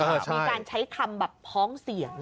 เออใช่มีการใช้คำแบบพ้องเสียง